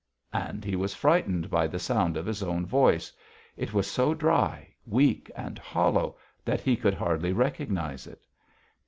And he was frightened by the sound of his own voice. It was so dry, weak, and hollow that he could hardly recognise it.